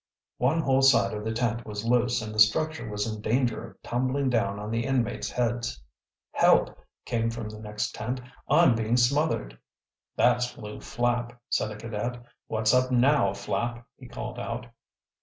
One whole side of the tent was loose and the structure was in danger of tumbling down on the inmates' heads. "Help!" came from the next tent. "I'm being smothered!" "That's Lew Flapp!" said a cadet. "What's up now, Flapp?" he called out.